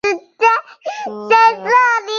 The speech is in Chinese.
苏德尔堡是德国下萨克森州的一个市镇。